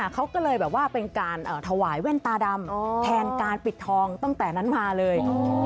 เขาก็เลยแบบว่าเป็นการถวายแว่นตาดำแทนการปิดทองตั้งแต่นั้นมาเลย